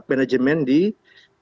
manajemen di rumah sakit